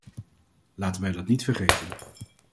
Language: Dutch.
Laten wij dat niet vergeten.